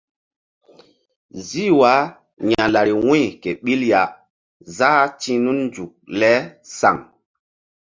Zih wah ya̧lari wu̧y ke ɓil ya záh ti̧h nun nzuk le saŋ.